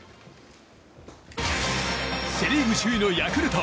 セ・リーグ首位のヤクルト。